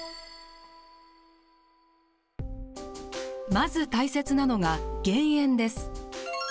まず大切なのが減塩です。